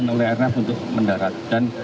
dijinkan oleh airnafs untuk mendarat